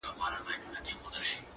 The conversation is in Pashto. چي د ښارونو جنازې وژاړم-